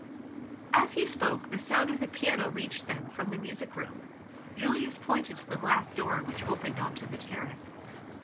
As he spoke the sound of the piano reached them from the music room. Julius pointed to the glass door which opened on to the terrace.